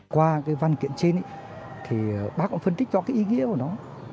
qua cái văn kiện trên thì bác cũng phân tích cho cái ý nghĩa của nó